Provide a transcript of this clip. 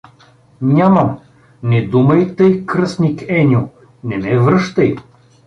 Нямам… — Не думай тъй, кръстник Еньо, не ме връщай.